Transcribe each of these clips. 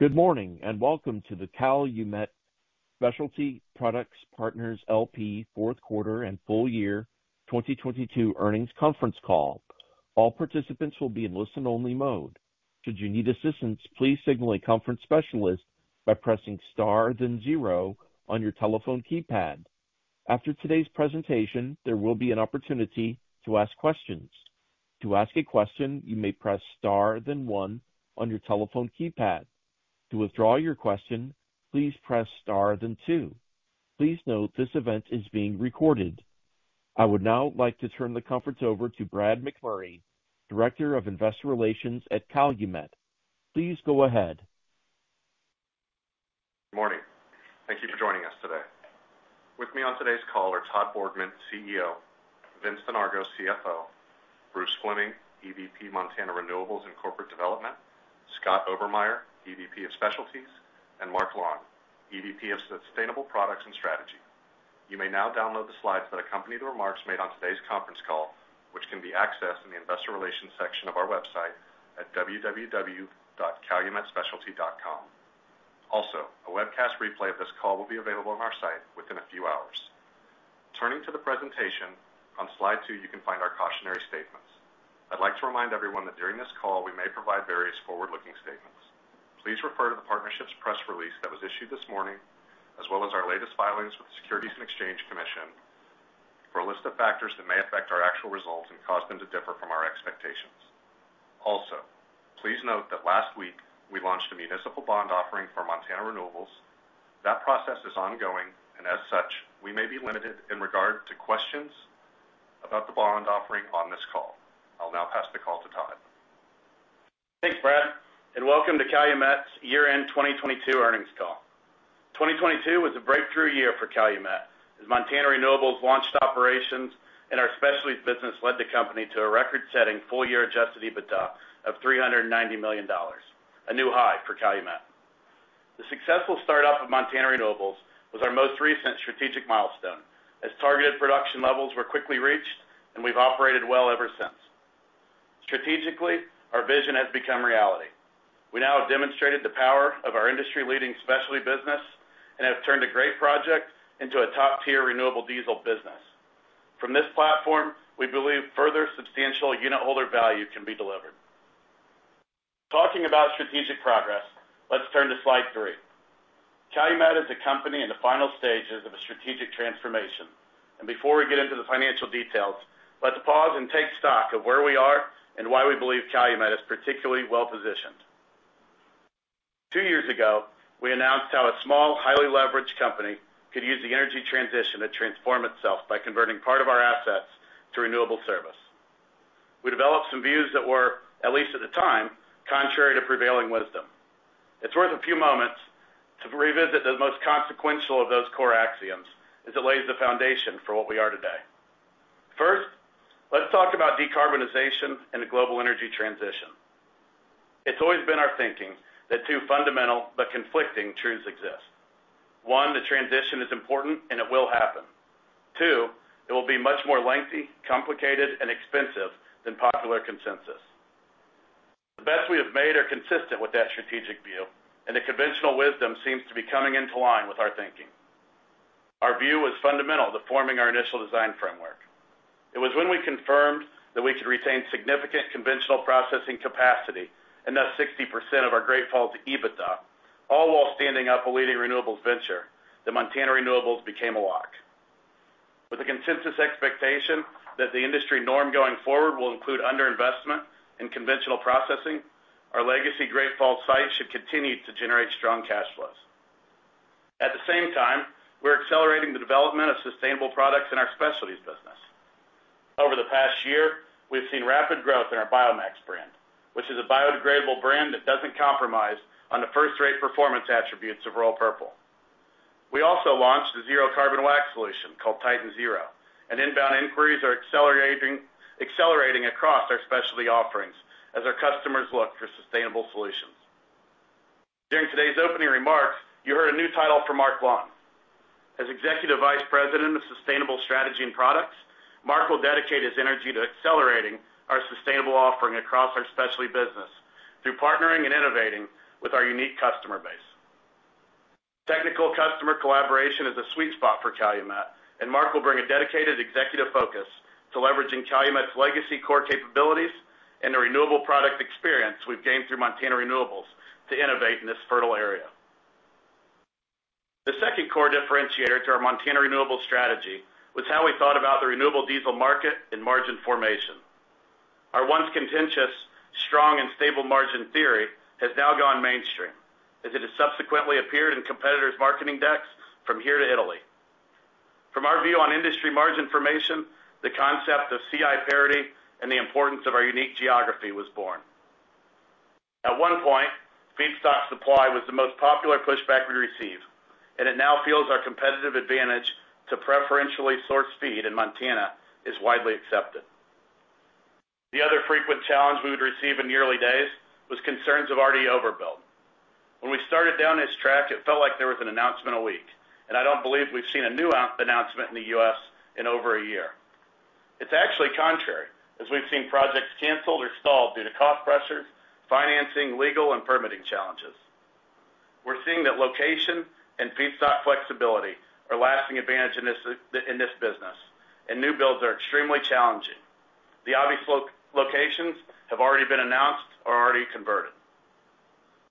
Good morning, and welcome to the Calumet Specialty Products Partners, L.P. Q4 and full year 2022 earnings conference call. All participants will be in listen only mode. Should you need assistance, please signal a conference specialist by pressing star then zero on your telephone keypad. After today's presentation, there will be an opportunity to ask questions. To ask a question, you may press star then one on your telephone keypad. To withdraw your question, please press star then two. Please note this event is being recorded. I would now like to turn the conference over to Brad McMurray, Director of Investor Relations at Calumet. Please go ahead. Good morning. Thank you for joining us today. With me on today's call are Todd Borgmann, CEO; Vincent Donargo, CFO; Bruce Fleming, EVP, Montana Renewables and Corporate Development; Scott Obermeier, EVP of Specialty; and Marc Lawn, EVP of Sustainable Products and Strategy. You may now download the slides that accompany the remarks made on today's conference call, which can be accessed in the investor relations section of our website at www.calumetspecialty.com. Also, a webcast replay of this call will be available on our site within a few hours. Turning to the presentation, on slide two, you can find our cautionary statements. I'd like to remind everyone that during this call; we may provide various forward-looking statements. Please refer to the partnership's press release that was issued this morning, as well as our latest filings with the Securities and Exchange Commission for a list of factors that may affect our actual results and cause them to differ from our expectations. Also, please note that last week we launched a municipal bond offering for Montana Renewables. That process is ongoing, and as such, we may be limited in regard to questions about the bond offering on this call. I'll now pass the call to Todd. Thanks, Brad, welcome to Calumet's year-end 2022 earnings call. 2022 was a breakthrough year for Calumet as Montana Renewables launched operations and our specialties business led the company to a record-setting full-year adjusted EBITDA of $390 million, a new high for Calumet. The successful startup of Montana Renewables was our most recent strategic milestone as targeted production levels were quickly reached and we've operated well ever since. Strategically, our vision has become reality. We now have demonstrated the power of our industry-leading specialty business and have turned a great project into a top-tier renewable diesel business. From this platform, we believe further substantial unitholder value can be delivered. Talking about strategic progress, let's turn to slide three. Calumet is a company in the final stages of a strategic transformation. Before we get into the financial details, let's pause and take stock of where we are and why we believe Calumet is particularly well positioned. Two years ago, we announced how a small, highly leveraged company could use the energy transition to transform itself by converting part of our assets to renewable service. We developed some views that were, at least at the time, contrary to prevailing wisdom. It's worth a few moments to revisit the most consequential of those core axioms as it lays the foundation for what we are today. First, let's talk about decarbonization and the global energy transition. It's always been our thinking that two fundamental, but conflicting truths exist. one, the transition is important, and it will happen. two, it will be much more lengthy, complicated, and expensive than popular consensus. The bets we have made are consistent with that strategic view, and the conventional wisdom seems to be coming into line with our thinking. Our view was fundamental to forming our initial design framework. It was when we confirmed that we could retain significant conventional processing capacity, and that's 60% of our Great Falls EBITDA, all while standing up a leading renewables venture that Montana Renewables became a lock. With a consensus expectation that the industry norm going forward will include under-investment in conventional processing, our legacy Great Falls site should continue to generate strong cash flows. At the same time, we're accelerating the development of sustainable products in our specialties business. Over the past year, we've seen rapid growth in our BioMax brand, which is a biodegradable brand that doesn't compromise on the first-rate performance attributes of Royal Purple. We also launched a zero carbon wax solution called TitanZero, inbound inquiries are accelerating across our specialty offerings as our customers look for sustainable solutions. During today's opening remarks, you heard a new title for Marc Lawn. As Executive Vice President of Sustainable Strategy and Products, Marc will dedicate his energy to accelerating our sustainable offering across our specialty business through partnering and innovating with our unique customer base. Technical customer collaboration is a sweet spot for Calumet, Marc will bring a dedicated executive focus to leveraging Calumet's legacy core capabilities and the renewable product experience we've gained through Montana Renewables to innovate in this fertile area. The second core differentiator to our Montana Renewables strategy was how we thought about the renewable diesel market and margin formation. Our once contentious strong and stable margin theory has now gone mainstream, as it has subsequently appeared in competitors' marketing decks from here to Italy. From our view on industry margin formation, the concept of CI parity and the importance of our unique geography was born. At one point, feedstock supply was the most popular pushback we received, and it now feels our competitive advantage to preferentially source feed in Montana is widely accepted. The other frequent challenge we would receive in the early days was concerns of already overbuilt. When we started down this track, it felt like there was an announcement a week, and I don't believe we've seen a new announcement in the U.S. in over a year. It's actually contrary, as we've seen projects canceled or stalled due to cost pressures, financing, legal, and permitting challenges. We're seeing that location and feedstock flexibility are lasting advantage in this business, new builds are extremely challenging. The obvious locations have already been announced or already converted.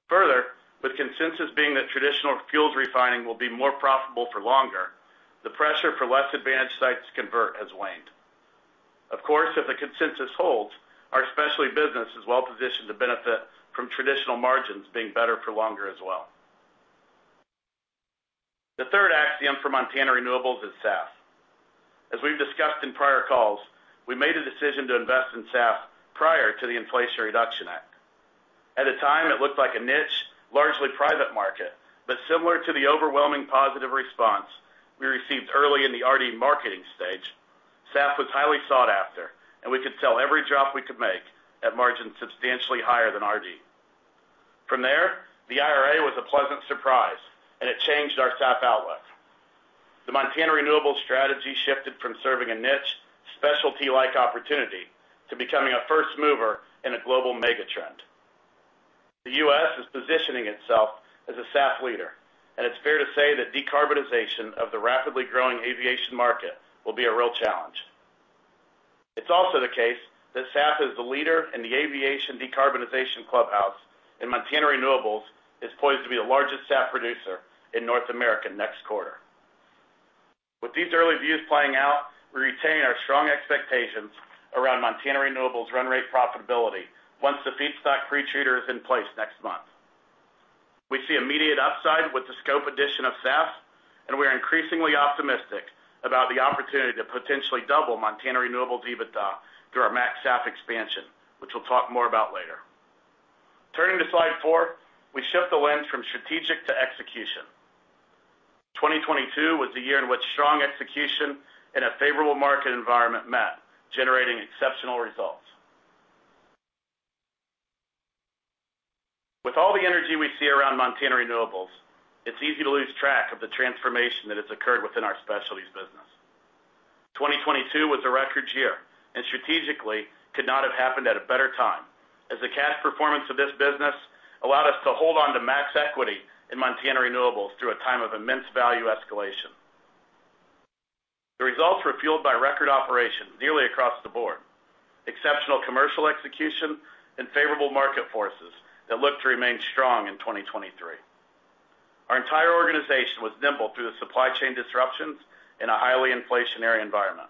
Further, with consensus being that traditional fuels refining will be more profitable for longer, the pressure for less advanced sites to convert has waned. Of course, if the consensus holds, our specialty business is well-positioned to benefit from traditional margins being better for longer as well. The third axiom for Montana Renewables is SAF. As we've discussed in prior calls, we made a decision to invest in SAF prior to the Inflation Reduction Act. At the time, it looked like a niche, largely private market, but similar to the overwhelming positive response we received early in the RD marketing stage, SAF was highly sought after, and we could sell every drop we could make at margins substantially higher than RD. From there, the IRA was a pleasant surprise, and it changed our SAF outlook. The Montana Renewables strategy shifted from serving a niche, specialty-like opportunity to becoming a first mover in a global mega-trend. The U.S. is positioning itself as a SAF leader, and it's fair to say that decarbonization of the rapidly growing aviation market will be a real challenge. It's also the case that SAF is the leader in the aviation decarbonization clubhouse, and Montana Renewables is poised to be the largest SAF producer in North America next quarter. With these early views playing out, we're retaining our strong expectations around Montana Renewables run rate profitability once the feedstock pretreater is in place next month. We see immediate upside with the scope addition of SAF. We are increasingly optimistic about the opportunity to potentially double Montana Renewable EBITDA through our MaxSAF expansion, which we'll talk more about later. Turning to slide four, we shift the lens from strategic to execution. 2022 was a year in which strong execution in a favorable market environment met, generating exceptional results. With all the energy we see around Montana Renewables, it's easy to lose track of the transformation that has occurred within our specialties business. 2022 was a record year. Strategically could not have happened at a better time, as the cash performance of this business allowed us to hold on to max equity in Montana Renewables through a time of immense value escalation. The results were fueled by record operations nearly across the board, exceptional commercial execution and favorable market forces that look to remain strong in 2023. Our entire organization was nimble through the supply chain disruptions in a highly inflationary environment.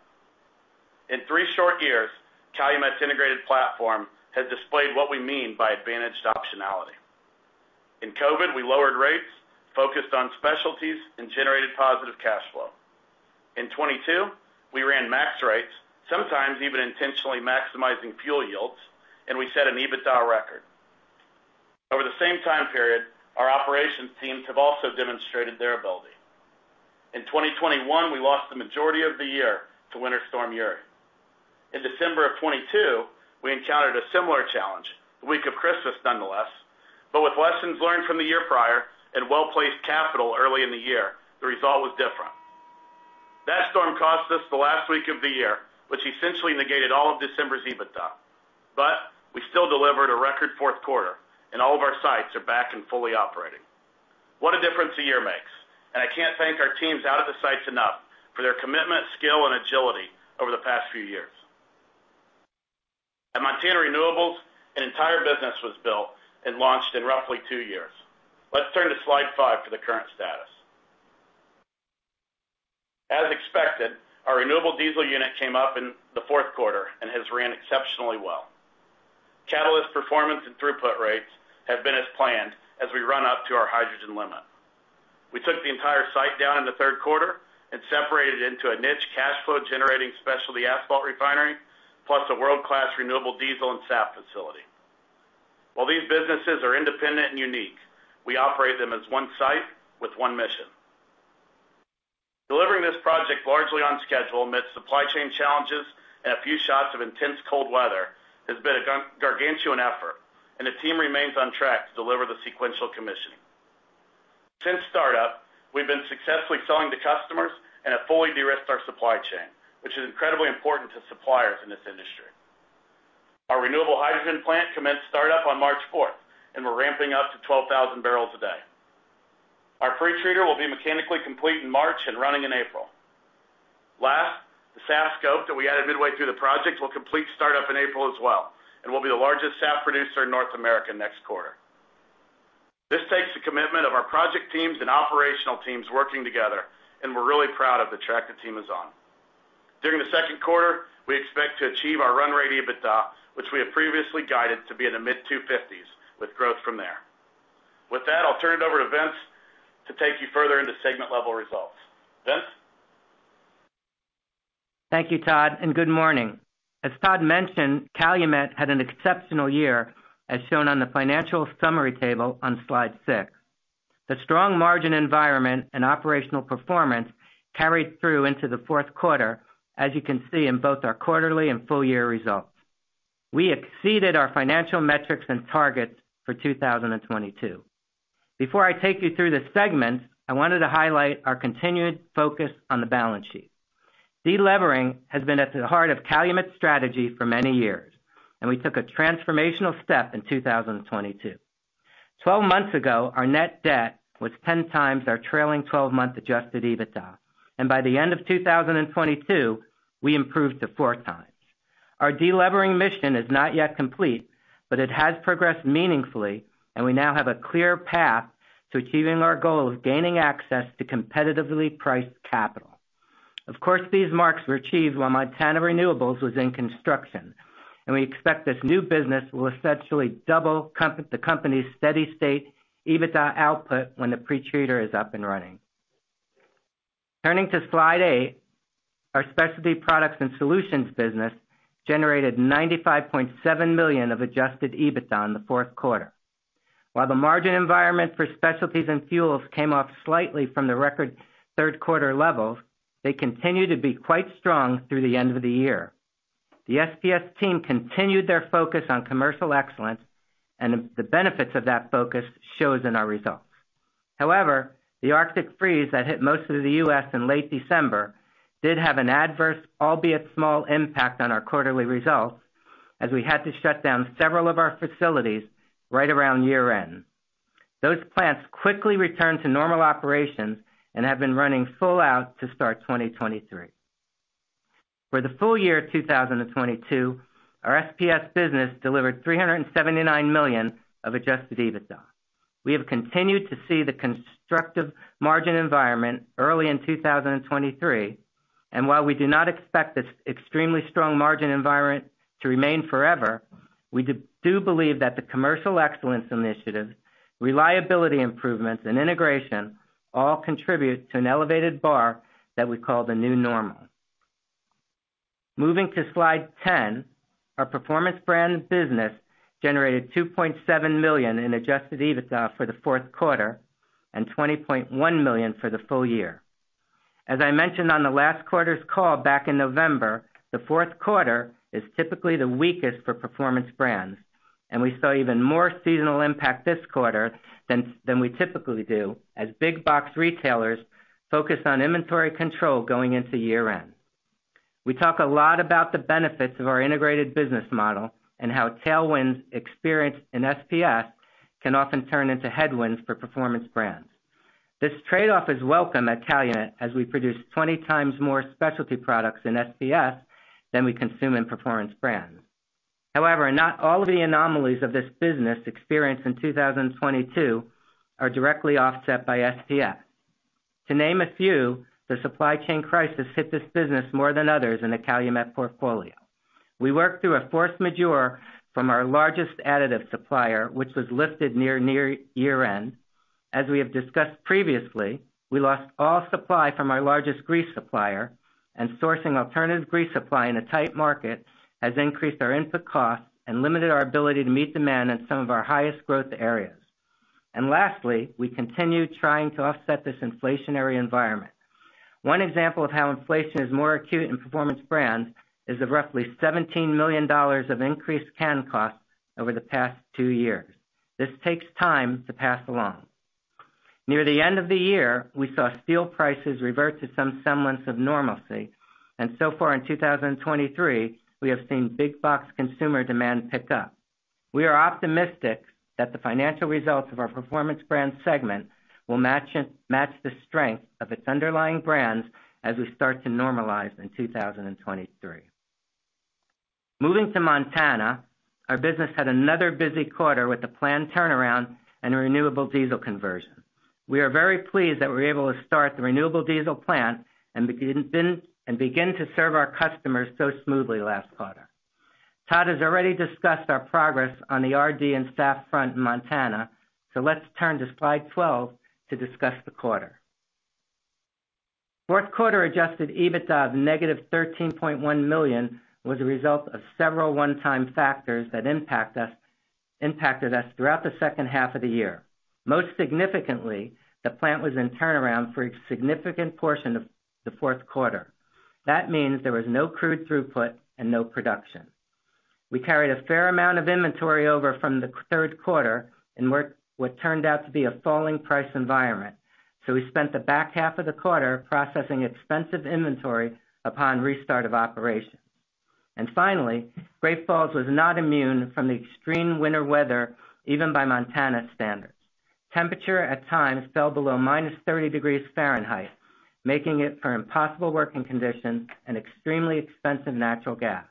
In three short years, Calumet's integrated platform has displayed what we mean by advantaged optionality. In COVID, we lowered rates, focused on specialties. Generated positive cash flow. In 2022, we ran max rates, sometimes even intentionally maximizing fuel yields. We set an EBITDA record. Over the same time period, our operations teams have also demonstrated their ability. In 2021, we lost the majority of the year to Winter Storm Uri. In December of 2022, we encountered a similar challenge, the week of Christmas nonetheless, but with lessons learned from the year prior and well-placed capital early in the year, the result was different. That storm cost us the last week of the year, which essentially negated all of December's EBITDA. We still delivered a record Q4, and all of our sites are back and fully operating. What a difference a year makes. I can't thank our teams out at the sites enough for their commitment, skill, and agility over the past few years. At Montana Renewables, an entire business was built and launched in roughly two years. Let's turn to slide five for the current status. As expected, our renewable diesel unit came up in the Q4 and has ran exceptionally well. Catalyst performance and throughput rates have been as planned as we run up to our hydrogen limit. We took the entire site down in the Q3 and separated it into a niche cash flow generating specialty asphalt refinery, plus a world-class renewable diesel and SAF facility. While these businesses are independent and unique, we operate them as one site with one mission. Delivering this project largely on schedule amidst supply chain challenges and a few shots of intense cold weather has been a gargantuan effort. The team remains on track to deliver the sequential commission. Since startup, we've been successfully selling to customers and have fully de-risked our supply chain, which is incredibly important to suppliers in this industry. Our renewable hydrogen plant commenced startup on March fourth. We're ramping up to 12,000 barrels a day. Our pretreater will be mechanically complete in March and running in April. Last, the SAF scope that we added midway through the project will complete startup in April as well and will be the largest SAF producer in North America next quarter. This takes the commitment of our project teams and operational teams working together, and we're really proud of the track the team is on. During the Q2, we expect to achieve our run rate EBITDA, which we have previously guided to be in the mid-$250s, with growth from there. I'll turn it over to Vince to take you further into segment-level results. Vince? Thank you, Todd, and good morning. As Todd mentioned, Calumet had an exceptional year, as shown on the financial summary table on slide six. The strong margin environment and operational performance carried through into the Q4, as you can see in both our quarterly and full year results. We exceeded our financial metrics and targets for 2022. Before I take you through the segments, I wanted to highlight our continued focus on the balance sheet. Delevering has been at the heart of Calumet's strategy for many years, and we took a transformational step in 2022. 12 months ago, our net debt was 10 times our trailing 12-month adjusted EBITDA. By the end of 2022, we improved to four times. Our delevering mission is not yet complete, but it has progressed meaningfully, and we now have a clear path to achieving our goal of gaining access to competitively priced capital. Of course, these marks were achieved while Montana Renewables was in construction, and we expect this new business will essentially double the company's steady state EBITDA output when the pre-treater is up and running. Turning to slide eight, our Specialty Products and Solutions business generated $95.7 million of adjusted EBITDA in the Q4. While the margin environment for specialties and fuels came off slightly from the record Q3 levels, they continued to be quite strong through the end of the year. The SPS team continued their focus on commercial excellence, and the benefits of that focus shows in our results. However, the Arctic freeze that hit most of the U.S. in late December did have an adverse, albeit small, impact on our quarterly results, as we had to shut down several of our facilities right around year-end. Those plants quickly returned to normal operations and have been running full out to start 2023. For the full year 2022, our SPS business delivered $379 million of adjusted EBITDA. We have continued to see the constructive margin environment early in 2023, and while we do not expect this extremely strong margin environment to remain forever, we do believe that the commercial excellence initiatives, reliability improvements and integration all contribute to an elevated bar that we call the new normal. Moving to Slide 10, our Performance Brands business generated $2.7 million in adjusted EBITDA for the Q4 and $20.1 million for the full year. As I mentioned on the last quarter's call back in November, the Q4 is typically the weakest for Performance Brands, and we saw even more seasonal impact this quarter than we typically do as big box retailers focus on inventory control going into year-end. We talk a lot about the benefits of our integrated business model and how tailwinds experienced in SPS can often turn into headwinds for Performance Brands. This trade-off is welcome at Calumet as we produce 20 times more specialty products in SPS than we consume in Performance Brands. However, not all of the anomalies of this business experienced in 2022 are directly offset by SPS. To name a few, the supply chain crisis hit this business more than others in the Calumet portfolio. We worked through a force majeure from our largest additive supplier, which was lifted near year-end. As we have discussed previously, we lost all supply from our largest grease supplier and sourcing alternative grease supply in a tight market has increased our input costs and limited our ability to meet demand in some of our highest growth areas. Lastly, we continue trying to offset this inflationary environment. One example of how inflation is more acute in Performance Brands is the roughly $17 million of increased can costs over the past two years. This takes time to pass along. Near the end of the year, we saw steel prices revert to some semblance of normalcy, and so far in 2023, we have seen big box consumer demand pick up. We are optimistic that the financial results of our Performance Brands segment will match the strength of its underlying brands as we start to normalize in 2023. Moving to Montana, our business had another busy quarter with the planned turnaround and renewable diesel conversion. We are very pleased that we were able to start the renewable diesel plant and begin to serve our customers so smoothly last quarter. Todd has already discussed our progress on the RD and SAF front in Montana, so let's turn to Slide 12 to discuss the quarter. Q4 adjusted EBITDA of negative $13.1 million was a result of several one-time factors that impacted us throughout the second half of the year. Most significantly, the plant was in turnaround for a significant portion of the Q4. That means there was no crude throughput and no production. We carried a fair amount of inventory over from the Q3 in what turned out to be a falling price environment. We spent the back half of the quarter processing expensive inventory upon restart of operations. Finally, Great Falls was not immune from the extreme winter weather, even by Montana standards. Temperature at times fell below -30 degrees Fahrenheit, making it for impossible working conditions and extremely expensive natural gas.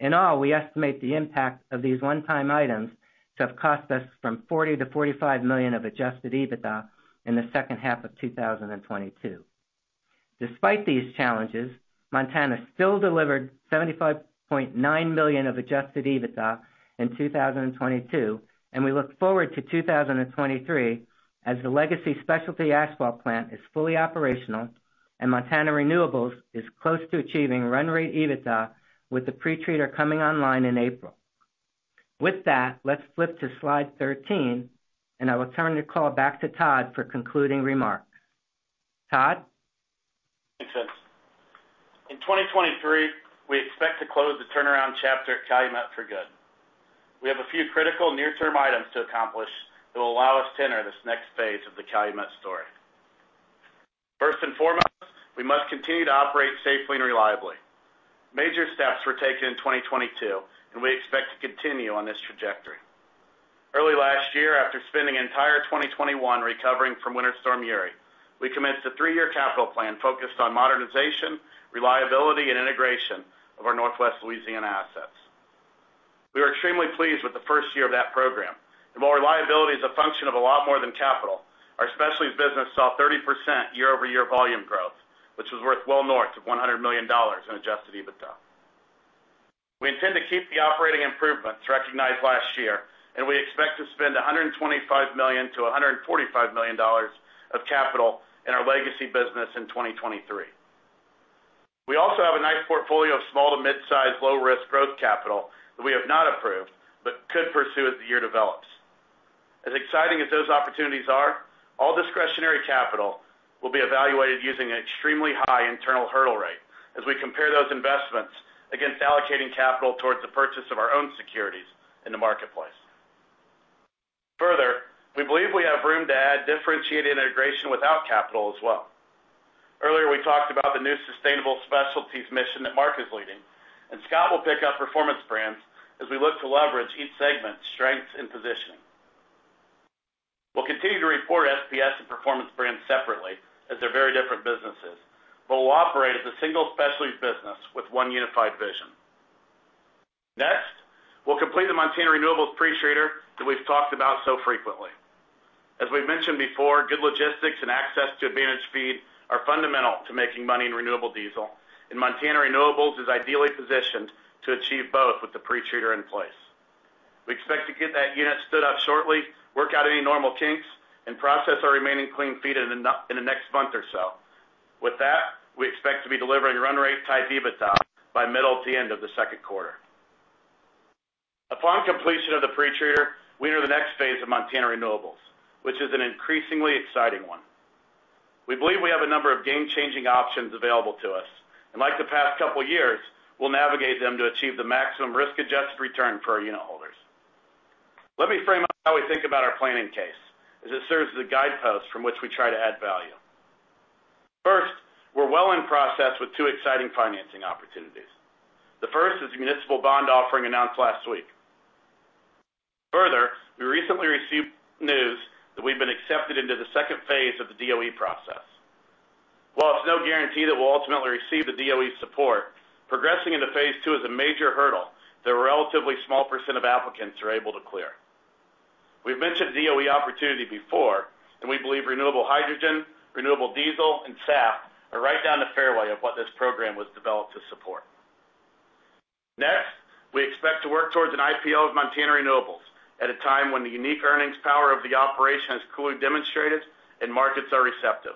In all, we estimate the impact of these one-time items to have cost us from $40-$45 million of adjusted EBITDA in the second half of 2022. Despite these challenges, Montana still delivered $75.9 million of adjusted EBITDA in 2022, and we look forward to 2023 as the legacy specialty asphalt plant is fully operational and Montana Renewables is close to achieving run rate EBITDA, with the pretreater coming online in April. With that, let's flip to Slide 13, and I will turn the call back to Todd for concluding remarks. Todd? Thanks, Vincent. In 2023, we expect to close the turnaround chapter at Calumet for good. We have a few critical near-term items to accomplish that will allow us to enter this next phase of the Calumet story. First and foremost, we must continue to operate safely and reliably. Major steps were taken in 2022, and we expect to continue on this trajectory. Early last year, after spending entire 2021 recovering from Winter Storm Uri, we commenced a three-year capital plan focused on modernization, reliability, and integration of our Northwest Louisiana assets. We are extremely pleased with the first year of that program. While reliability is a function of a lot more than capital, our specialties business saw 30% year-over-year volume growth, which was worth well north of $100 million in adjusted EBITDA. We intend to keep the operating improvements recognized last year, and we expect to spend $125 -$145 million of capital in our legacy business in 2023. We also have a nice portfolio of small to midsize low-risk growth capital that we have not approved, but could pursue as the year develops. As exciting as those opportunities are, all discretionary capital will be evaluated using an extremely high internal hurdle rate as we compare those investments against allocating capital towards the purchase of our own securities in the marketplace. Further, we believe we have room to add differentiated integration without capital as well. Earlier, we talked about the new sustainable specialties mission that Marc is leading, and Scott will pick up Performance Brands as we look to leverage each segment's strengths and positioning. We'll continue to report SPS and Performance Brands separately, as they're very different businesses, but we'll operate as a single specialties business with one unified vision. Next, we'll complete the Montana Renewables pretreater that we've talked about so frequently. As we've mentioned before, good logistics and access to advantage feed are fundamental to making money in renewable diesel, and Montana Renewables is ideally positioned to achieve both with the pretreater in place. We expect to get that unit stood up shortly, work out any normal kinks, and process our remaining clean feed in the next month or so. With that, we expect to be delivering run rate type EBITDA by middle to end of the Q2. Upon completion of the pretreater, we enter the next phase of Montana Renewables, which is an increasingly exciting one. We believe we have a number of game-changing options available to us. Like the past couple years, we'll navigate them to achieve the maximum risk-adjusted return for our unitholders. Let me frame up how we think about our planning case, as it serves as a guidepost from which we try to add value. First, we're well in process with two exciting financing opportunities. The first is the municipal bond offering announced last week. Further, we recently received news that we've been accepted into the part two of the DOE process. While it's no guarantee that we'll ultimately receive the DOE support, progressing into phase two is a major hurdle that a relatively small % of applicants are able to clear. We've mentioned DOE opportunity before. We believe renewable hydrogen, renewable diesel, and SAF are right down the fairway of what this program was developed to support. We expect to work towards an IPO of Montana Renewables at a time when the unique earnings power of the operation has clearly demonstrated and markets are receptive.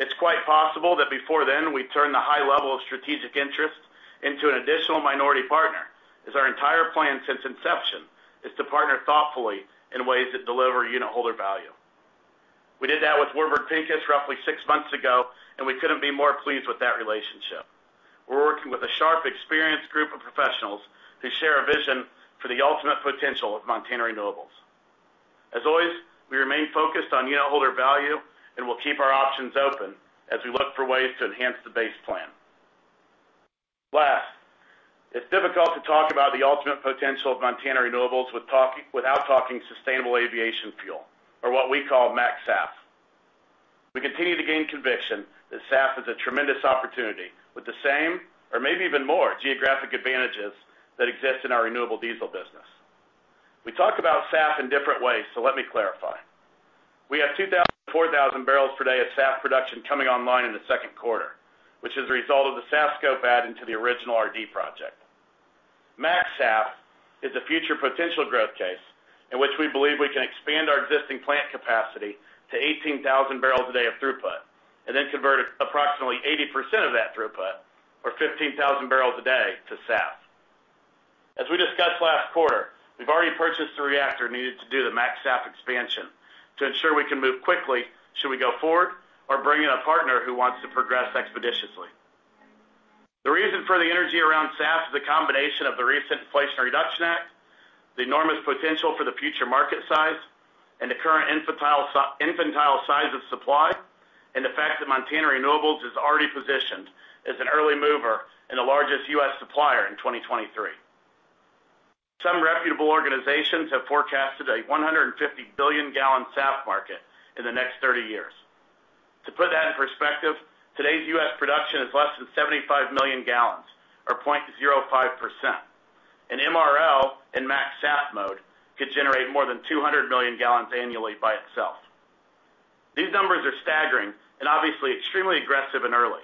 It's quite possible that before then, we turn the high level of strategic interest into an additional minority partner, as our entire plan since inception is to partner thoughtfully in ways that deliver unitholder value. We did that with Warburg Pincus roughly six months ago, and we couldn't be more pleased with that relationship. We're working with a sharp, experienced group of professionals who share a vision for the ultimate potential of Montana Renewables. As always, we remain focused on unitholder value, and we'll keep our options open as we look for ways to enhance the base plan. Last, it's difficult to talk about the ultimate potential of Montana Renewables without talking sustainable aviation fuel or what we call MAxSAF. We continue to gain conviction that SAF is a tremendous opportunity with the same or maybe even more geographic advantages that exist in our renewable diesel business. We talk about SAF in different ways, let me clarify. We have 2,000 to 4,000 barrels per day of SAF production coming online in the Q2, which is a result of the SAF scope add into the original RD project. MAxSAF is a future potential growth case in which we believe we can expand our existing plant capacity to 18,000 barrels a day of throughput, and then convert approximately 80% of that throughput or 15,000 barrels a day to SAF. As we discussed last quarter, we've already purchased the reactor needed to do the MAxSAF expansion to ensure we can move quickly should we go forward or bring in a partner who wants to progress expeditiously. The reason for the energy around SAF is a combination of the recent Inflation Reduction Act, the enormous potential for the future market size, and the current infantile size of supply, and the fact that Montana Renewables is already positioned as an early mover and the largest U.S. supplier in 2023. Some reputable organizations have forecasted a 150 billion gallon SAF market in the next 30 years. To put that in perspective, today's U.S. production is less than 75 million gallons or 0.05%. MRL in MAxSAF mode could generate more than 200 million gallons annually by itself. These numbers are staggering and obviously extremely aggressive and early.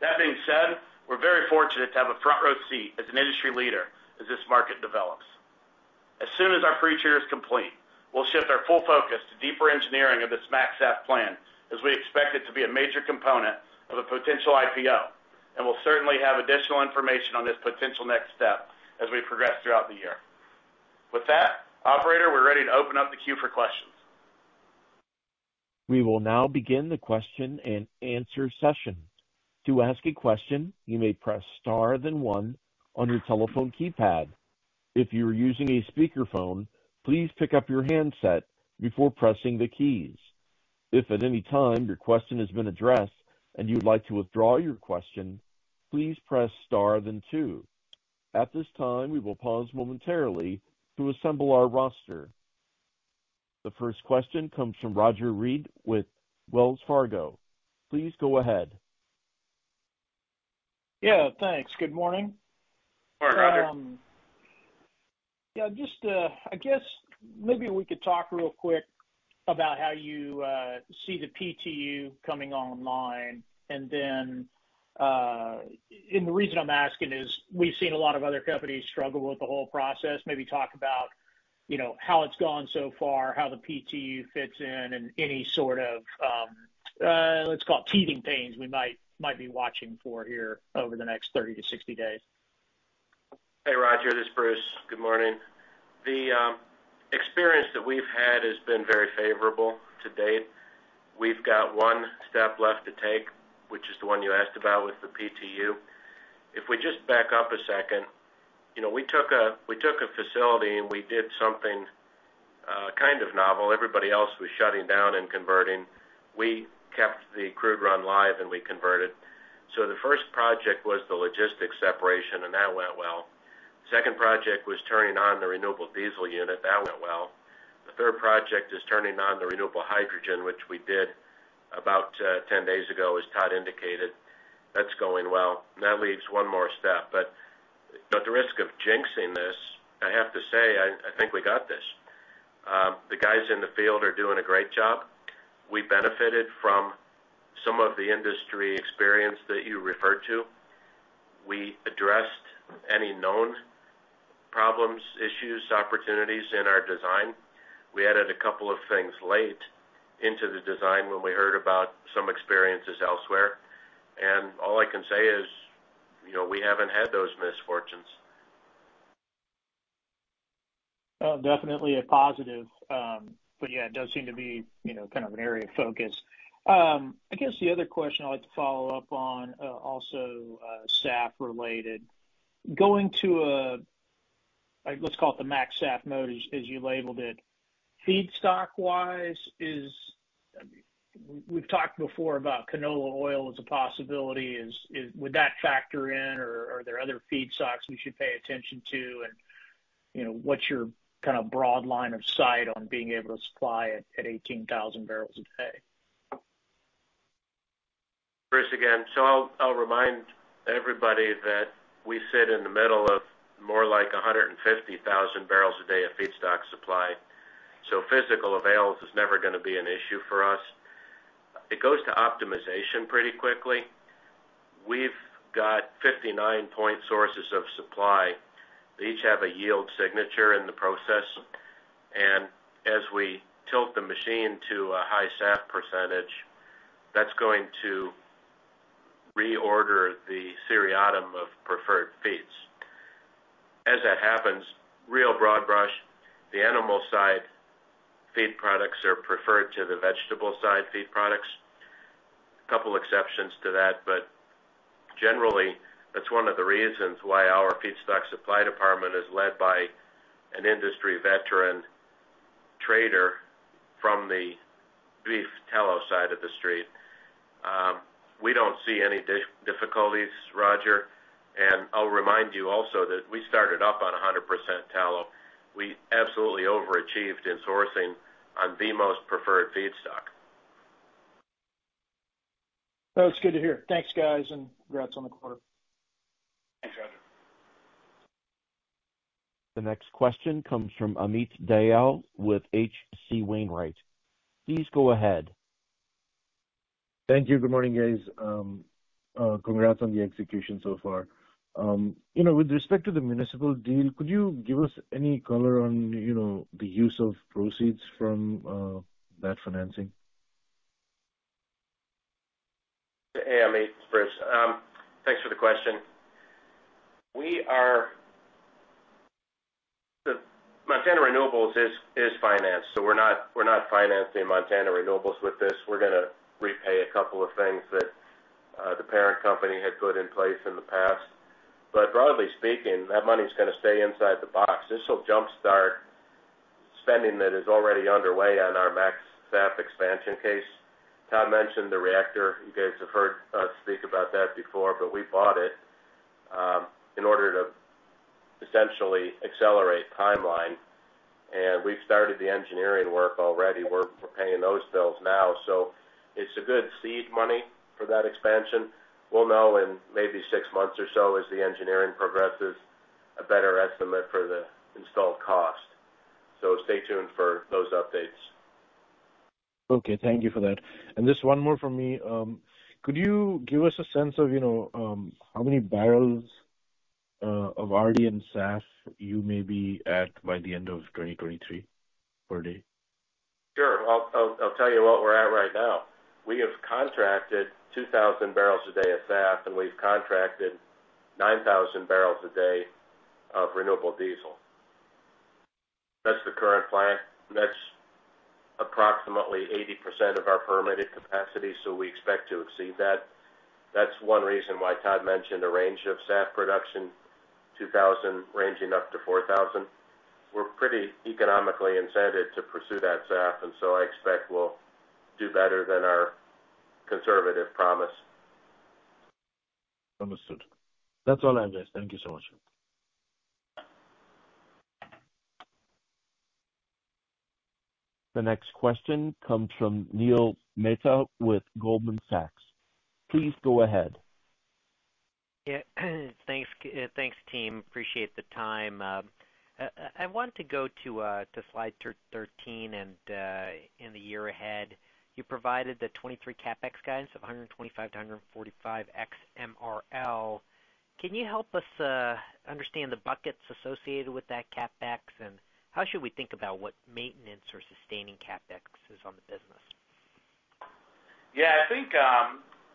That being said, we're very fortunate to have a front row seat as an industry leader as this market develops. As soon as our pretreater is complete, we'll shift our full focus to deeper engineering of this MAxSAF plan as we expect it to be a major component of a potential IPO. We'll certainly have additional information on this potential next step as we progress throughout the year. With that, operator, we're ready to open up the queue for questions. We will now begin the question and answer session. To ask a question, you may press star then one on your telephone keypad. If you are using a speakerphone, please pick up your handset before pressing the keys. If at any time your question has been addressed and you would like to withdraw your question, please press star then two. At this time, we will pause momentarily to assemble our roster. The first question comes from Roger Read with Wells Fargo. Please go ahead. Yeah, thanks. Good morning. Morning, Roger. Yeah, just, I guess maybe we could talk real quick about how you see the PTU coming online. The reason I'm asking is we've seen a lot of other companies struggle with the whole process. Maybe talk about, you know, how it's gone so far, how the PTU fits in, and any sort of, let's call it teething pains we might be watching for here over the next 30 to 60 days? Hey, Roger, this is Bruce. Good morning. The experience that we've had has been very favorable to date. We've got one step left to take, which is the one you asked about with the PTU. If we just back up a second, you know, we took a facility, we did something kind of novel. Everybody else was shutting down and converting. We kept the crude run live, we converted. The first project was the logistics separation, that went well. The second project was turning on the renewable diesel unit. That went well. The third project is turning on the renewable hydrogen, which we did about 10 days ago, as Todd indicated. That's going well. That leaves one more step. At the risk of jinxing this, I have to say, I think we got this. The guys in the field are doing a great job. We benefited from some of the industry experience that you referred to. We addressed any known problems, issues, opportunities in our design. We added a couple of things late into the design when we heard about some experiences elsewhere. All I can say is, you know, we haven't had those misfortunes. Well, definitely a positive. Yeah, it does seem to be, you know, kind of an area of focus. I guess the other question I'd like to follow up on, also, SAF related. Going to a, let's call it the MaxSAF mode, as you labeled it, feedstock-wise. We've talked before about canola oil as a possibility. Would that factor in, or are there other feedstocks we should pay attention to? You know, what's your kind of broad line of sight on being able to supply at 18,000 barrels a day? Bruce again. I'll remind everybody that we sit in the middle of more like 150,000 barrels a day of feedstock supply. Physical avail is never going to be an issue for us. It goes to optimization pretty quickly. We've got 59-point sources of supply. They each have a yield signature in the process. As we tilt the machine to a high SAF percentage, that's going to reorder the seriatim of preferred feeds. As that happens, real broad brush, the animal side feed products are preferred to the vegetable side feed products. A couple exceptions to that, but generally, that's one of the reasons why our feedstock supply department is led by an industry veteran trader from the beef tallow side of the street. we don't see any difficulties, Roger. I'll remind you also that we started up on 100% tallow. We absolutely overachieved in sourcing on the most preferred feedstock. That's good to hear. Thanks, guys, and congrats on the quarter. Thanks, Roger. The next question comes from Amit Dayal with H.C. Wainwright. Please go ahead. Thank you. Good morning, guys. congrats on the execution so far. you know, with respect to the municipal deal, could you give us any color on, you know, the use of proceeds from that financing? Hey, Amit. It's Bruce. Thanks for the question. The Montana Renewables is financed, so we're not financing Montana Renewables with this. We're going to repay a couple of things that the parent company had put in place in the past. Broadly speaking, that money's going to stay inside the box. This will jumpstart spending that is already underway on our MaxSAF expansion case. Todd mentioned the reactor. You guys have heard us speak about that before, but we bought it in order to essentially accelerate timeline. We've started the engineering work already. We're paying those bills now. It's a good seed money for that expansion. We'll know in maybe six months or so, as the engineering progresses, a better estimate for the installed cost. Stay tuned for those updates. Okay, thank you for that. Just one more from me. Could you give us a sense of, you know, how many barrels, of RD and SAF you may be at by the end of 2023 per day? Sure. I'll tell you what we're at right now. We have contracted 2,000 barrels a day of SAF, and we've contracted 9,000 barrels a day of renewable diesel. That's the current plan. That's approximately 80% of our permitted capacity, so we expect to exceed that. That's one reason why Todd mentioned a range of SAF production, 2,000 ranging up to 4,000. We're pretty economically incented to pursue that SAF, and so I expect we'll do better than our conservative promise. Understood. That's all I have, guys. Thank you so much. The next question comes from Neil Mehta with Goldman Sachs. Please go ahead. Yeah. Thanks. Thanks team. Appreciate the time. I want to go to slide 13 in the year ahead. You provided the 2023 CapEx guidance of $125-$145 ex MRL. Can you help us understand the buckets associated with that CapEx? How should we think about what maintenance or sustaining CapEx is on the business? Yeah, I think.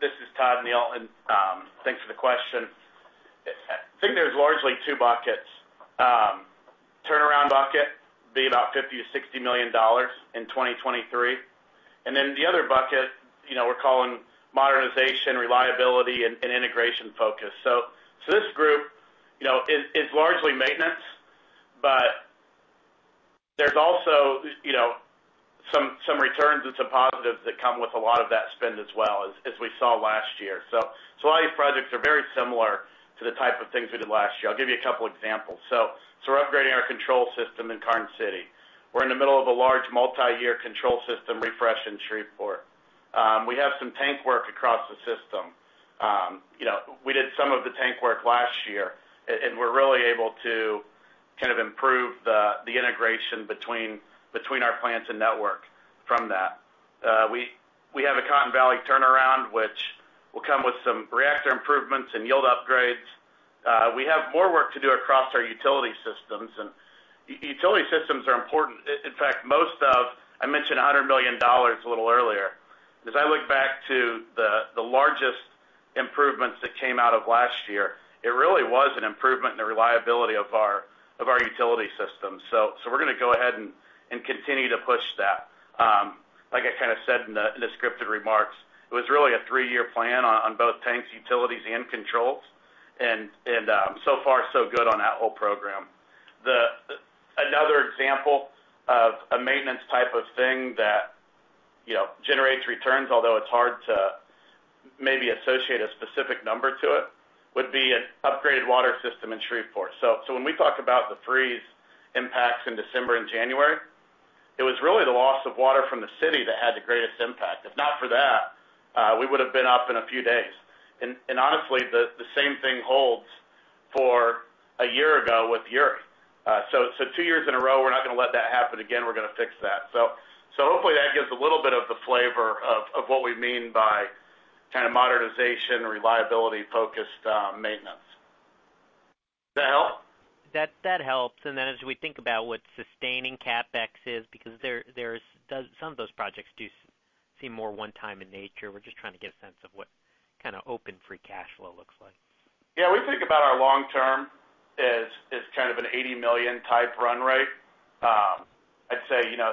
This is Todd, Neil, and thanks for the question. I think there's largely two buckets. Turnaround bucket be about $50 -$60 million in 2023. The other bucket, you know, we're calling modernization, reliability, and integration focus. This group, you know, is largely maintenance, but there's also, you know, some returns and some positives that come with a lot of that spend as well as we saw last year. A lot of these projects are very similar to the type of things we did last year. I'll give you a couple examples. We're upgrading our control system in Karnes City. We're in the middle of a large multi-year control system refresh in Shreveport. We have some tank work across the system. you know, we did some of the tank work last year, and we're really able to kind of improve the integration between our plants and network from that. We have a Cotton Valley turnaround, which will come with some reactor improvements and yield upgrades. We have more work to do across our utility systems, and utility systems are important. In fact, I mentioned $100 million a little earlier. As I look back to the largest improvements that came out of last year, it really was an improvement in the reliability of our utility system. We're going to go ahead and continue to push that. Like I kind of said in the scripted remarks, it was really a three-year plan on both tanks, utilities and controls and so far so good on that whole program. Another example of a maintenance type of thing that, you know, generates returns, although it's hard to maybe associate a specific number to it, would be an upgraded water system in Shreveport. When we talk about the freeze impacts in December and January, it was really the loss of water from the city that had the greatest impact. If not for that, we would've been up in a few days. Honestly, the same thing holds for a year ago with Uri. two years in a row, we're not going to let that happen again. We're going to fix that. Hopefully that gives a little bit of the flavor of what we mean by kind of modernization, reliability-focused maintenance. Does that help? That helps. As we think about what sustaining CapEx is because there's some of those projects do see more one time in nature. We're just trying to get a sense of what kinda open free cash flow looks like. Yeah, we think about our long term as kind of an $80 million type run rate. I'd say, you know,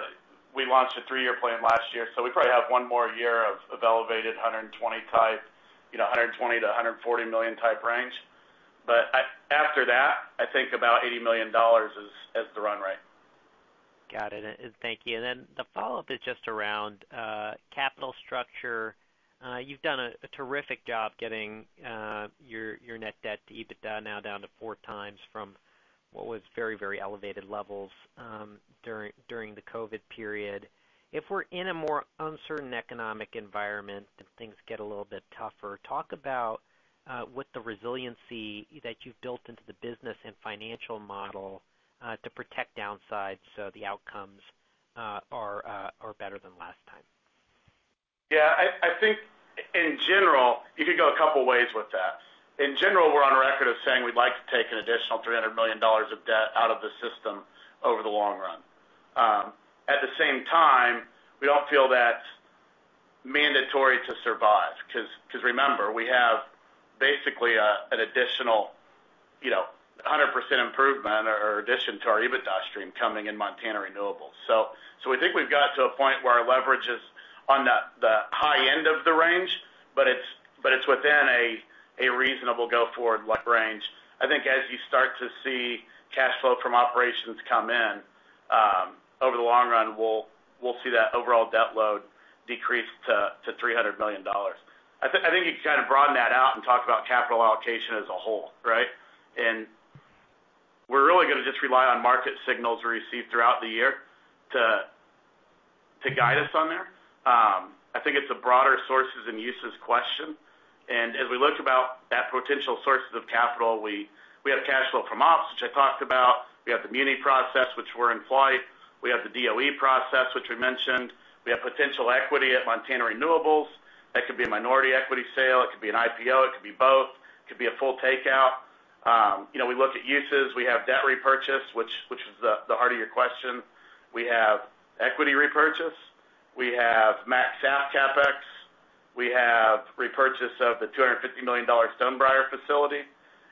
we launched a three-year plan last year, so we probably have one more year of elevated $120 type, you know, $120 -$140 million type range. After that, I think about $80 million as the run rate. Got it. Thank you. The follow-up is just around capital structure. You've done a terrific job getting your net debt to EBITDA now down to four times from what was very, very elevated levels during the COVID period. If we're in a more uncertain economic environment and things get a little bit tougher, talk about what the resiliency that you've built into the business and financial model to protect downsides so the outcomes are better than last time. Yeah, I think in general, you could go a couple ways with that. In general, we're on record of saying we'd like to take an additional $300 million of debt out of the system over the long run. At the same time, we don't feel that's mandatory to survive cause remember, we have basically, an additional, you know, 100% improvement or addition to our EBITDA stream coming in Montana Renewables. We think we've got to a point where our leverage is on the high end of the range, but it's within a reasonable go forward range. I think as you start to see cash flow from operations come in over the long run, we'll see that overall debt load decrease to $300 million. I think you can kind of broaden that out and talk about capital allocation as a whole, right? We're really going to just rely on market signals we receive throughout the year to guide us on there. I think it's a broader sources and uses question. As we look about that potential sources of capital, we have cash flow from ops, which I talked about. We have the mini process, which we're in flight. We have the DOE process, which we mentioned. We have potential equity at Montana Renewables. That could be a minority equity sale, it could be an IPO, it could be both, it could be a full takeout. You know, we look at uses. We have debt repurchase, which is the heart of your question. We have equity repurchase, we have maxed out CapEx. We have repurchase of the $250 million Stonebriar facility,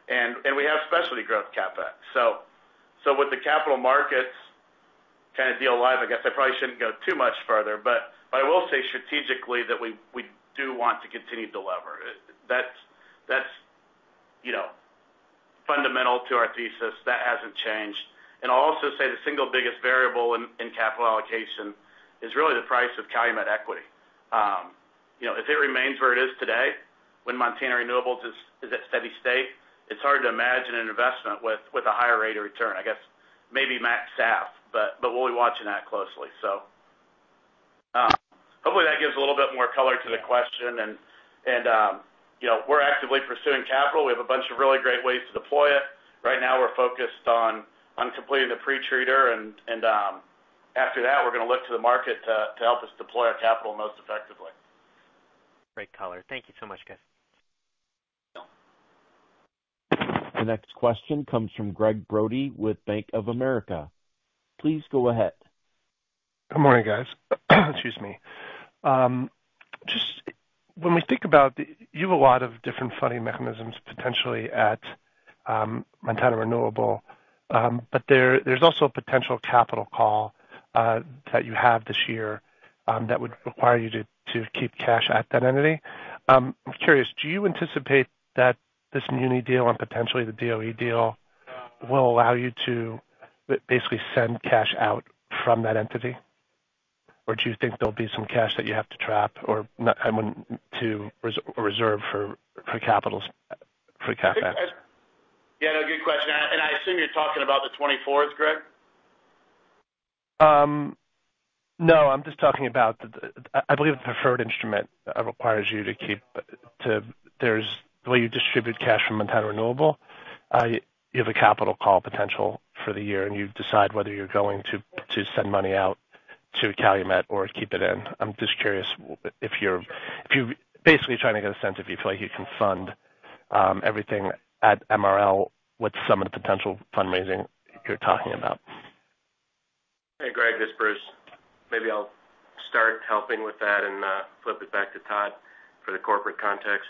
and we have specialty growth CapEx. With the capital markets kind of deal live, I guess I probably shouldn't go too much further, but I will say strategically that we do want to continue to lever. That's, you know, fundamental to our thesis. That hasn't changed. I'll also say the single biggest variable in capital allocation is really the price of Calumet equity. You know, if it remains where it is today, when Montana Renewables is at steady state, it's hard to imagine an investment with a higher rate of return. I guess maybe MaxSAF, but we'll be watching that closely. Hopefully that gives a little bit more color to the question. You know, we're actively pursuing capital. We have a bunch of really great ways to deploy it. Right now, we're focused on completing the pretreater and after that, we're going to look to the market to help us deploy our capital most effectively. Great color. Thank you so much, guys. The next question comes from Gregg Brody with Bank of America. Please go ahead. Good morning, guys. Excuse me. You have a lot of different funding mechanisms potentially at Montana Renewables, but there's also a potential capital call that you have this year that would require you to keep cash at that entity. I'm curious, do you anticipate that this muni deal and potentially the DOE deal will allow you to basically send cash out from that entity? Or do you think there'll be some cash that you have to trap or I mean, to reserve for CapEx? Yeah, good question. I assume you're talking about the 24th, Greg? No, I'm just talking about the, I believe the preferred instrument, requires you to. There's the way you distribute cash from Montana Renewables. You have a capital call potential for the year, and you decide whether you're going to send money out to Calumet or keep it in. I'm just curious if you're basically trying to get a sense if you feel like you can fund everything at MRL with some of the potential fundraising you're talking about. Hey, Gregg, this Bruce. Maybe I'll start helping with that and flip it back to Todd for the corporate context.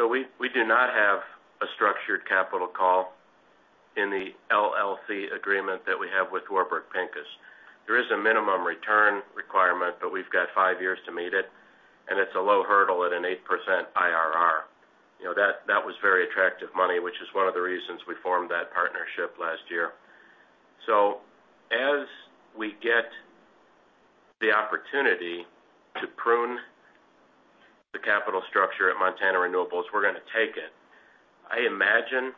We do not have a structured capital call in the LLC agreement that we have with Warburg Pincus. There is a minimum return requirement, but we've got five years to meet it, and it's a low hurdle at an 8% IRR. You know, that was very attractive money, which is one of the reasons we formed that partnership last year. As we get the opportunity to prune the capital structure at Montana Renewables, we're going to take it. I imagine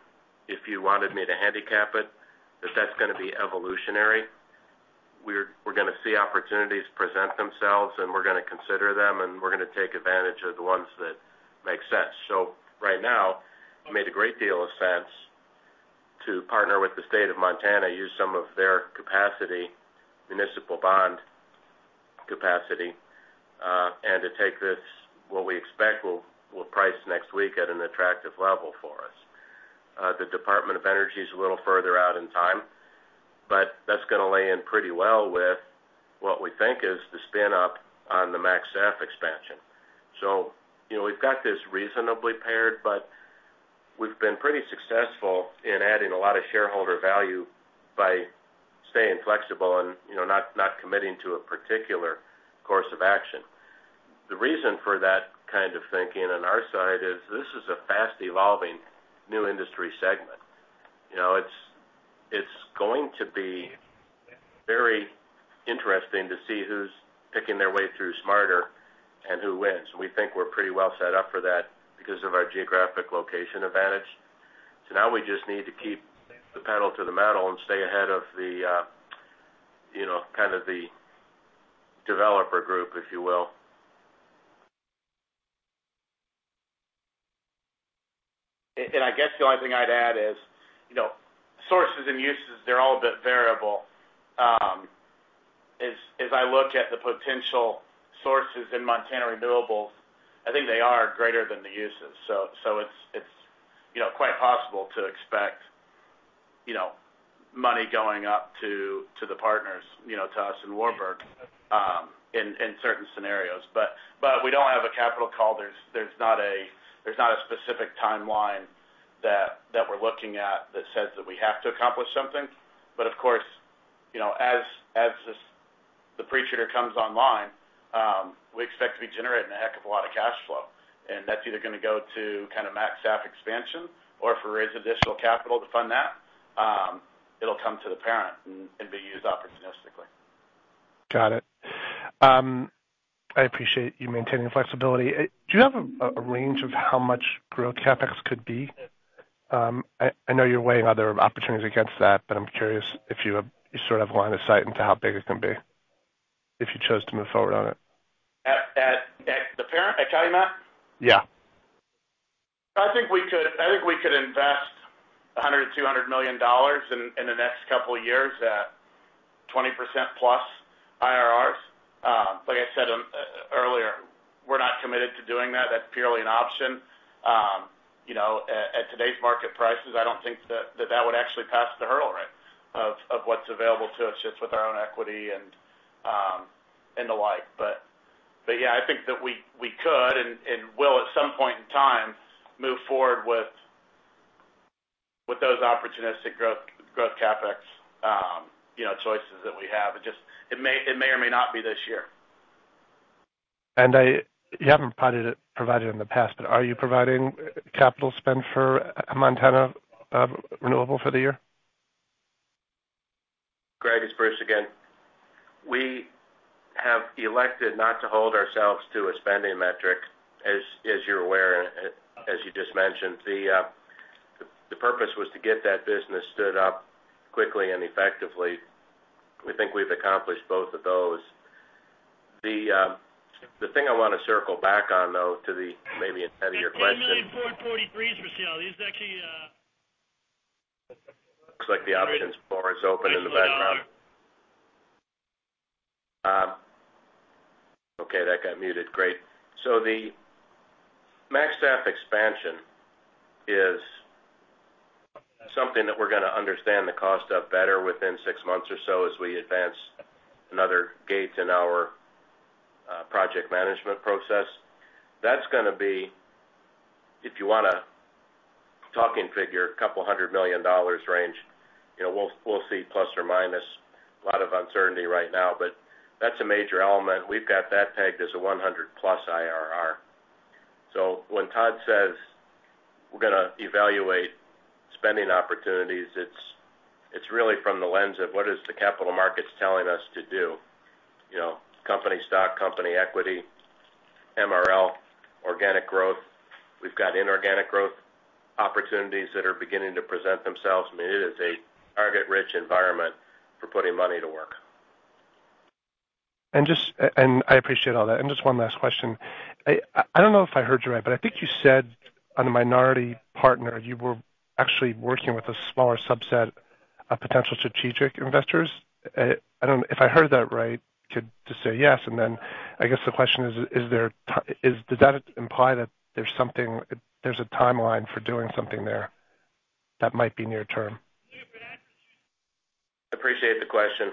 if you wanted me to handicap it, that's going to be evolutionary. We're going to see opportunities present themselves, and we're going to consider them, and we're going to take advantage of the ones that make sense. Right now, it made a great deal of sense to partner with the state of Montana, use some of their capacity, municipal bond capacity, and to take this what we expect will price next week at an attractive level for us. The Department of Energy is a little further out in time, but that's going to lay in pretty well with what we think is the spin up on the Max F expansion. You know, we've got this reasonably paired, but we've been pretty successful in adding a lot of shareholder value by staying flexible and, you know, not committing to a particular course of action. The reason for that kind of thinking on our side is this is a fast evolving new industry segment. You know, it's going to be very interesting to see who's picking their way through smarter and who wins. We think we're pretty well set up for that because of our geographic location advantage. Now we just need to keep the pedal to the metal and stay ahead of the, you know, kind of the developer group, if you will. I guess the only thing I'd add is, you know, sources and uses, they're all a bit variable. As I look at the potential sources in Montana Renewables, I think they are greater than the uses. It's, you know, quite possible to expect, you know, money going up to the partners, you know, to us and Warburg, in certain scenarios. We don't have a capital call. There's not a specific timeline that we're looking at that says that we have to accomplish something. Of course, you know, as this, the pretreater comes online, we expect to be generating a heck of a lot of cash flow. that's either going to go to kind of MAxSAF expansion or if we raise additional capital to fund that, it'll come to the parent and be used opportunistically. Got it. I appreciate you maintaining flexibility. Do you have a range of how much growth CapEx could be? I know you're weighing other opportunities against that, but I'm curious if you have sort of line of sight into how big it can be if you chose to move forward on it. At the parent, at Calumet? Yeah. I think we could invest $100 -$200 million in the next couple of years at 20%plus IRRs. Like I said earlier, we're not committed to doing that. That's purely an option. You know, at today's market prices, I don't think that would actually pass the hurdle right now. Of what's available to us just with our own equity and the like. Yeah, I think that we could and will, at some point in time, move forward with those opportunistic growth CapEx, you know, choices that we have. It may or may not be this year. You haven't provided it in the past, but are you providing capital spend for Montana Renewables for the year? Gregg, it's Bruce again. We have elected not to hold ourselves to a spending metric, as you're aware, as you just mentioned. The purpose was to get that business stood up quickly and effectively. We think we've accomplished both of those. The thing I want to circle back on, though, to the maybe end of your question- Looks like the options floor is open in the background. Okay, that got muted. Great. The MAxSAF expansion is something that we're going to understand the cost of better within six months or so as we advance another gate in our project management process. That's going to be, if you want to talking figure, a $200 million range. You know, we'll see plus or minus. Lot of uncertainty right now, but that's a major element. We've got that tagged as a 100%+ IRR. When Todd says we're going to evaluate spending opportunities, it's really from the lens of what is the capital markets telling us to do. You know, company stock, company equity, MRL, organic growth. We've got inorganic growth opportunities that are beginning to present themselves. I mean, it is a target-rich environment for putting money to work. I appreciate all that. Just one last question. I don't know if I heard you right, but I think you said on the minority partner, you were actually working with a smaller subset of potential strategic investors. I don't know if I heard that right, could just say yes? Then I guess the question is, does that imply that there's something, there's a timeline for doing something there that might be near term? Appreciate the question.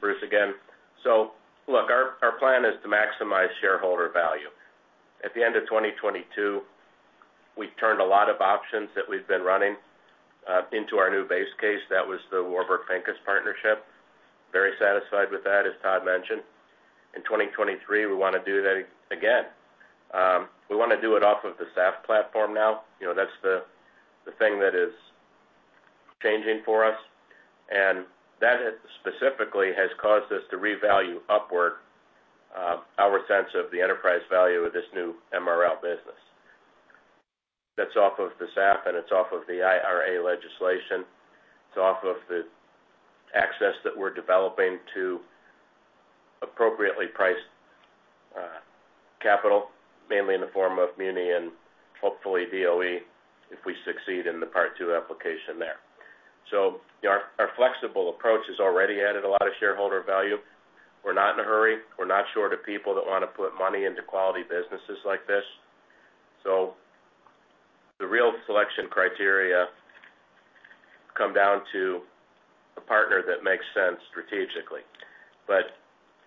Bruce again. Look, our plan is to maximize shareholder value. At the end of 2022, we turned a lot of options that we've been running into our new base case. That was the Warburg Pincus partnership. Very satisfied with that, as Todd mentioned. In 2023, we want to do that again. We want to do it off of the SAF platform now. You know, that's the thing that is changing for us. That specifically has caused us to revalue upward our sense of the enterprise value of this new MRL business. That's off of the SAF, and it's off of the IRA legislation. It's off of the access that we're developing to appropriately priced capital, mainly in the form of muni and hopefully DOE, if we succeed in the part two application there. You know, our flexible approach has already added a lot of shareholder value. We're not in a hurry. We're not short of people that want to put money into quality businesses like this. The real selection criteria come down to a partner that makes sense strategically.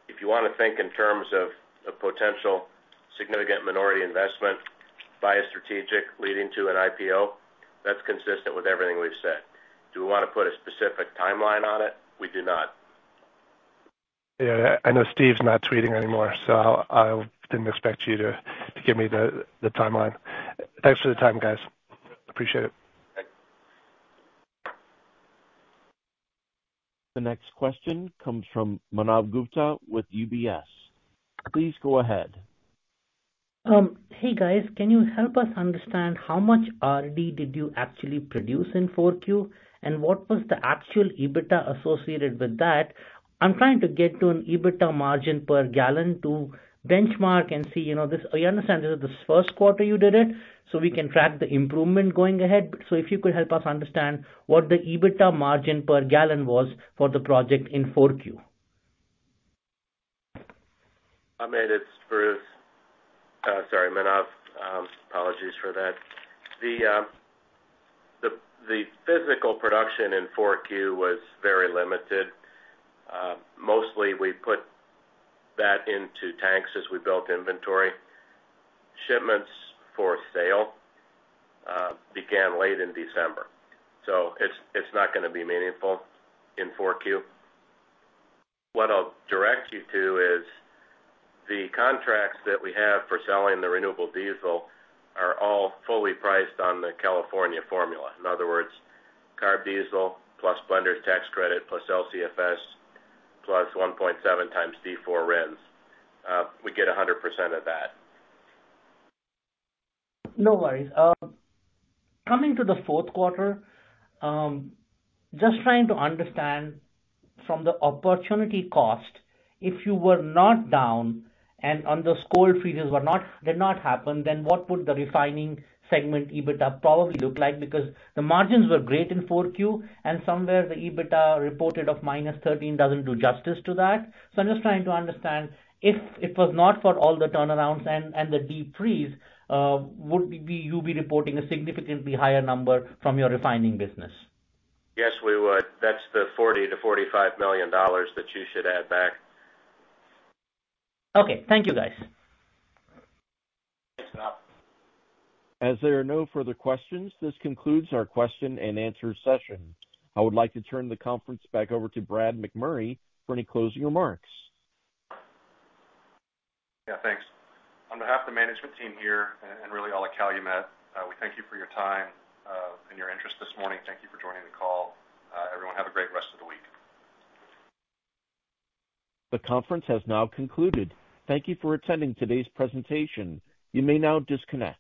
If you want to think in terms of a potential significant minority investment by a strategic leading to an IPO, that's consistent with everything we've said. Do we want to put a specific timeline on it? We do not. I know Steve's not tweeting anymore, I didn't expect you to give me the timeline. Thanks for the time, guys. Appreciate it. Thanks. The next question comes from Manav Gupta with UBS. Please go ahead. Hey, guys. Can you help us understand how much RD did you actually produce in 4Q? What was the actual EBITDA associated with that? I'm trying to get to an EBITDA margin per gallon to benchmark and see, you know, I understand this is the Q1 you did it, so we can track the improvement going ahead. If you could help us understand what the EBITDA margin per gallon was for the project in 4Q. Manav, it's Bruce. Sorry, Manav, apologies for that. The physical production in 4Q was very limited. Mostly we put that into tanks as we built inventory. Shipments for sale began late in December, so it's not going to be meaningful in 4Q. What I'll direct you to is the contracts that we have for selling the renewable diesel are all fully priced on the California formula. In other words, CARB diesel plus Blender's Tax Credit, plus LCFS, plus 1.7 times D4 RINs. We get 100% of that. No worries. Coming to the Q4, just trying to understand from the opportunity cost, if you were not down and on those cold freezes did not happen, then what would the refining segment EBITDA probably look like? The margins were great in 4Q, and somewhere the EBITDA reported of -13 doesn't do justice to that. I'm just trying to understand, if it was not for all the turnarounds and the deep freeze, would you be reporting a significantly higher number from your refining business? Yes, we would. That's the $40 -$45 million that you should add back. Okay. Thank you, guys. Thanks, Manav. As there are no further questions, this concludes our question and answer session. I would like to turn the conference back over to Brad McMurray for any closing remarks. Yeah, thanks. On behalf of the management team here and really all at Calumet, we thank you for your time and your interest this morning. Thank you for joining the call. Everyone have a great rest of the week. The conference has now concluded. Thank You for attending today's presentation. You may now disconnect.